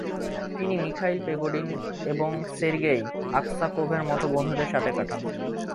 তিনি Mikhail Pogodin এবং Sergei আক্সাকোভের মতো বন্ধুদের সাথে কাটান।